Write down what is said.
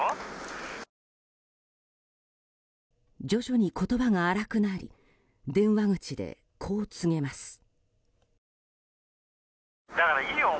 徐々に言葉が荒くなり電話口で、こう告げます。